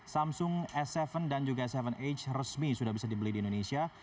samsung s tujuh dan juga tujuh age resmi sudah bisa dibeli di indonesia